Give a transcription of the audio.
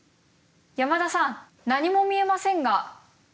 山田さん何も見えませんが。